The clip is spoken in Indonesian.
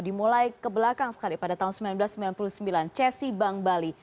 dimulai ke belakang sekali pada tahun seribu sembilan ratus sembilan puluh sembilan cesi bank bali